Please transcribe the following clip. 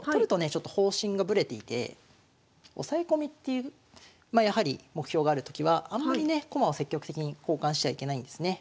ちょっと方針がぶれていて押さえ込みっていうまあやはり目標があるときはあんまりね駒を積極的に交換しちゃいけないんですね。